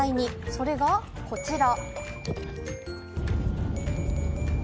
それがこちら。